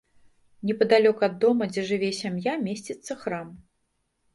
Непадалёк ад дома, дзе жыве сям'я, месціцца храм.